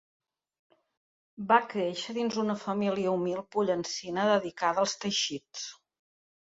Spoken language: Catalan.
Va créixer dins una família humil pollencina dedicada als teixits.